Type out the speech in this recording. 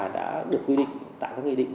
được quy định tạo các nghị định